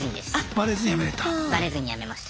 バレずに辞めました。